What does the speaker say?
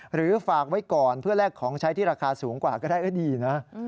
หรือฝากไว้ก่อนเพื่อแลกของใช้ที่ราคาสูงกว่าก็ได้ดีนะ